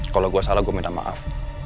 kalau gue salah gue minta maaf